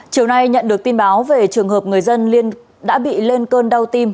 chiều nay nhận được tin báo về trường hợp người dân đã bị lên cơn đau tim